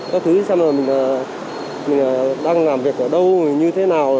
các thứ xem là mình đang làm việc ở đâu như thế nào